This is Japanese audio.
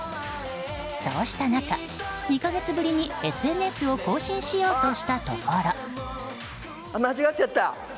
そうした中、２か月ぶりにＳＮＳを更新しようとしたところ。